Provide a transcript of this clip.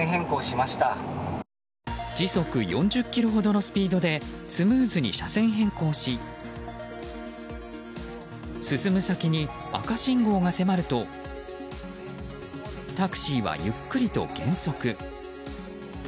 時速４０キロほどのスピードでスムーズに車線変更し進む先に赤信号が迫るとタクシーはゆっくりと減速。